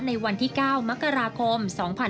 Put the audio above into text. ในวันที่๙มกราคม๒๕๕๙